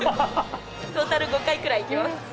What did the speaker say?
トータル５回ぐらい行きます。